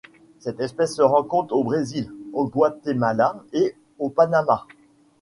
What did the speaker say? Cette espèce se rencontre au Brésil, au Guatemala et au Panama.